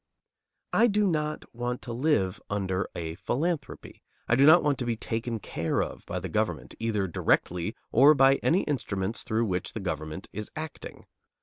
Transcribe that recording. I do not want to live under a philanthropy. I do not want to be taken care of by the government, either directly, or by any instruments through which the government is acting.